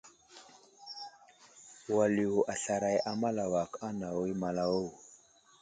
Wal yo aslaray a malawak anawo i malawo.